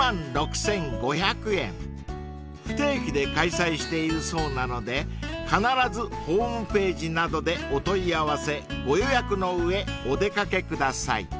［不定期で開催しているそうなので必ずホームページなどでお問い合わせご予約の上お出掛けください］